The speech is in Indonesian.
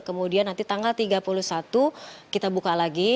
kemudian nanti tanggal tiga puluh satu kita buka lagi